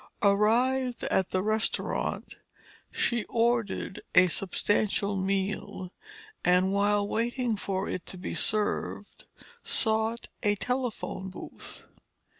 Arrived at the restaurant, she ordered a substantial meal and while waiting for it to be served, sought a telephone booth.